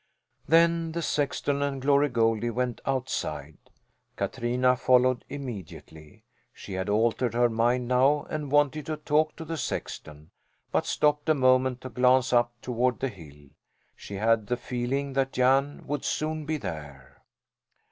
Then the sexton and Glory Goldie went outside. Katrina followed immediately. She had altered her mind now and wanted to talk to the sexton, but stopped a moment to glance up toward the hill. She had the feeling that Jan would soon be there.